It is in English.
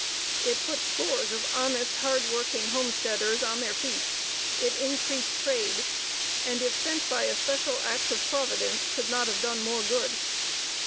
It put scores of honest, hard working homesteaders on their feet; it increased trade, and, if sent by a special act of Providence, could not have done more good.